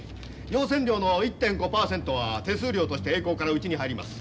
用船料の１．５％は手数料として栄光からうちに入ります。